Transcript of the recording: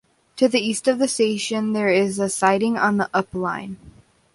To the east of the station there is a siding on the Up line.